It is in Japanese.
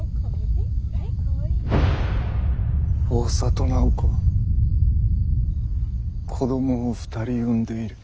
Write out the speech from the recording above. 大郷楠宝子は子供を２人産んでいる。